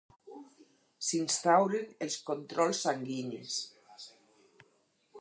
S'instauren els controls sanguinis.